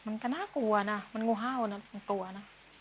มันก็น่ากลัวนะมันงูเห่านะมันกลัวนะ